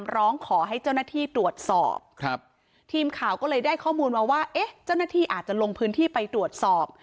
ร้องขอให้เจ้าหน้าที่ตรวจสอบครับทีมข่าวก็เลยได้ข้อมูลมาว่าเอ๊ะเจ้าหน้าที่อาจจะลงพื้นที่ไปตรวจสอบ